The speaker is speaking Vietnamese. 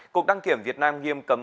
cục đăng kiểm việt nam nghiêm cấm